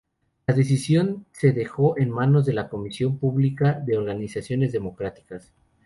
La decisión se dejó en manos de la Comisión Pública de Organizaciones Democráticas.